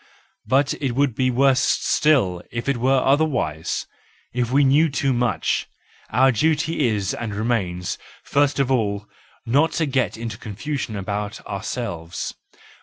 But it would be worse still if it were otherwise,— if we knew too much; our duty is and remains, first of all, not to get into confusion about ourselves.